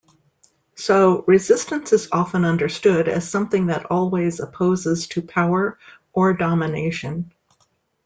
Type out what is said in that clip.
So, resistance is often understood as something that always opposes to power or domination.